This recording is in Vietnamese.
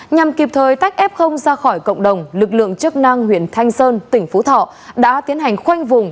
nhằm kịp thời tách f ra khỏi cộng đồng lực lượng chức năng huyện thanh sơn tỉnh phú thọ đã tiến hành khoanh vùng